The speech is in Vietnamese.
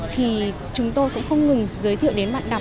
thì chúng tôi cũng không ngừng giới thiệu đến bạn đọc nhỏ tuổi